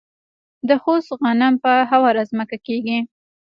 د خوست غنم په هواره ځمکه کیږي.